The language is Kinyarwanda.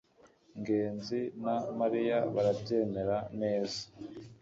ngenzi na mariya barabyemera. neza